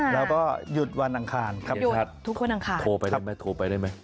เราก็หยุดวันอังคารครับโทรไปได้ไหม